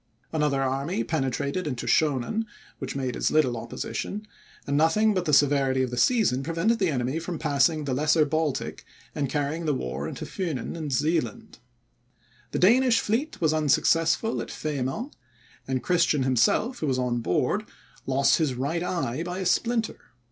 Another army penetrated into Schonen, which made as little opposition; and nothing but the severity of the season prevented the enemy from passing the Lesser Baltic, and carrying the war into Funen and Zealand. The Danish fleet was unsuccessful at Femern; and Christian himself, who was on board, lost his right eye by a splinter.